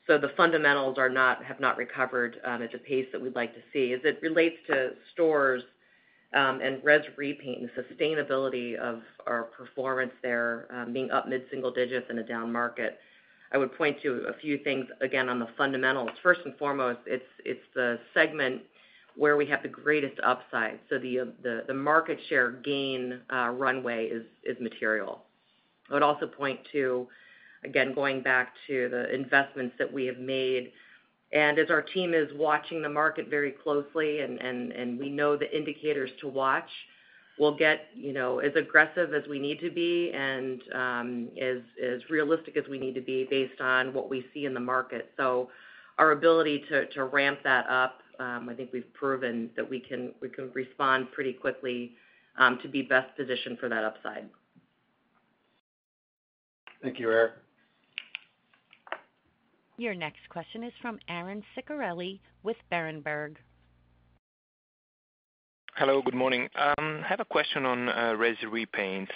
[SPEAKER 3] so the fundamentals have not recovered at the pace that we'd like to see. As it relates to stores and residential repaint and the sustainability of our performance there being up mid-single digits in a down market, I would point to a few things, again, on the fundamentals. First and foremost, it's the segment where we have the greatest upside. So the market share gain runway is material. I would also point to, again, going back to the investments that we have made. As our team is watching the market very closely, and we know the indicators to watch, we'll get as aggressive as we need to be and as realistic as we need to be based on what we see in the market. Our ability to ramp that up, I think we've proven that we can respond pretty quickly to be best positioned for that upside.
[SPEAKER 2] Thank you, Eric.
[SPEAKER 1] Your next question is from Aron Ceccarelli with Berenberg.
[SPEAKER 9] Hello, good morning. I have a question on residential repaint.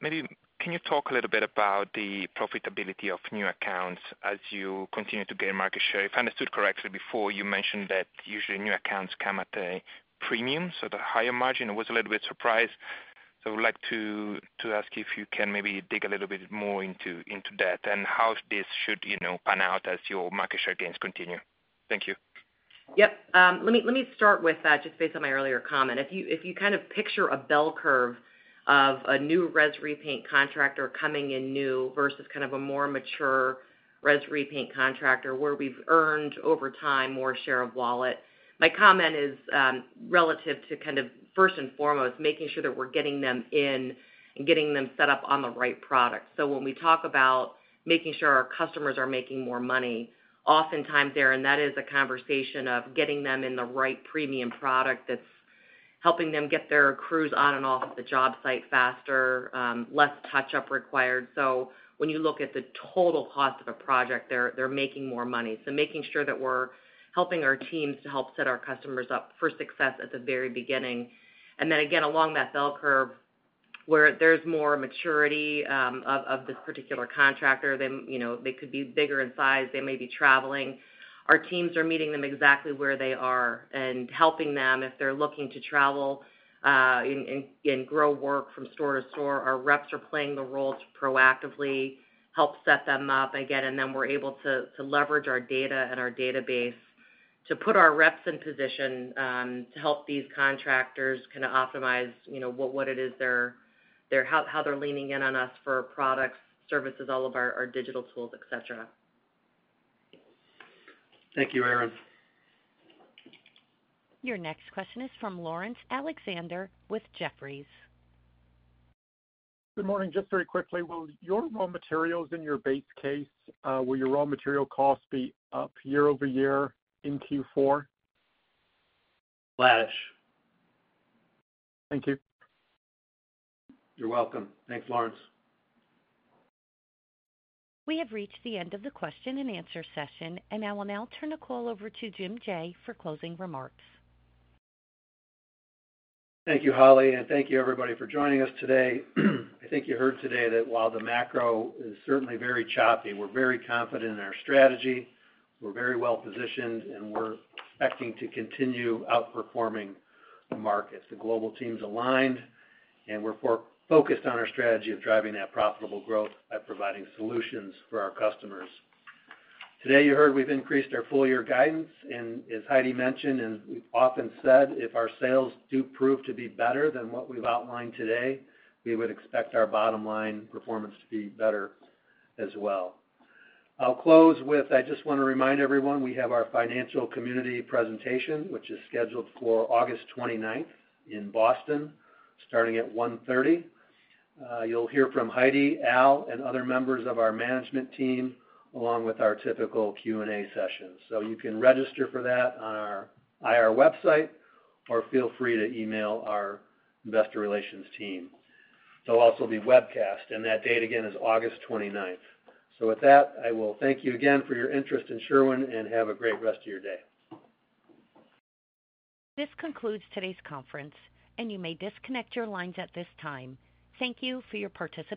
[SPEAKER 9] Maybe can you talk a little bit about the profitability of new accounts as you continue to gain market share? If I understood correctly, before you mentioned that usually new accounts come at a premium, so the higher margin. I was a little bit surprised. So I would like to ask you if you can maybe dig a little bit more into that and how this should pan out as your market share gains continue. Thank you.
[SPEAKER 3] Yep. Let me start with that, just based on my earlier comment. If you kind of picture a bell curve of a New Residential repaint contractor coming in new versus kind of a more mature residential repaint contractor where we've earned over time more share of wallet, my comment is relative to kind of first and foremost, making sure that we're getting them in and getting them set up on the right product. So when we talk about making sure our customers are making more money, oftentimes there, and that is a conversation of getting them in the right premium product that's helping them get their crews on and off the job site faster, less touch-up required. So when you look at the total cost of a project, they're making more money. Making sure that we're helping our teams to help set our customers up for success at the very beginning. And then again, along that bell curve, where there's more maturity of this particular contractor, they could be bigger in size, they may be traveling. Our teams are meeting them exactly where they are and helping them if they're looking to travel and grow work from store to store. Our reps are playing the role to proactively help set them up again. And then we're able to leverage our data and our database to put our reps in position to help these contractors kind of optimize what it is they're how they're leaning in on us for products, services, all of our digital tools, etc.
[SPEAKER 2] Thank you, Aaron.
[SPEAKER 1] Your next question is from Laurence Alexander with Jefferies.
[SPEAKER 10] Good morning. Just very quickly, will your raw materials in your base case, will your raw material cost be up year over year in Q4?
[SPEAKER 2] Flattish.
[SPEAKER 10] Thank you.
[SPEAKER 2] You're welcome. Thanks, Lawrence.
[SPEAKER 1] We have reached the end of the question and answer session, and I will now turn the call over to Jim Jaye for closing remarks.
[SPEAKER 2] Thank you, Holly, and thank you, everybody, for joining us today. I think you heard today that while the macro is certainly very choppy, we're very confident in our strategy. We're very well positioned, and we're expecting to continue outperforming the markets. The global team's aligned, and we're focused on our strategy of driving that profitable growth by providing solutions for our customers. Today, you heard we've increased our full-year guidance, and as Heidi mentioned, and we've often said, if our sales do prove to be better than what we've outlined today, we would expect our bottom-line performance to be better as well. I'll close with, I just want to remind everyone, we have our financial community presentation, which is scheduled for August 29th in Boston starting at 1:30 P.M. You'll hear from Heidi, Al, and other members of our management team, along with our typical Q&A session. So you can register for that on our IR website or feel free to email our investor relations team. There'll also be webcast, and that date, again, is August 29th. So with that, I will thank you again for your interest in Sherwin and have a great rest of your day.
[SPEAKER 1] This concludes today's conference, and you may disconnect your lines at this time. Thank you for your participation.